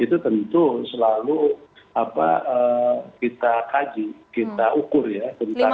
itu tentu selalu kita kaji kita ukur ya tentang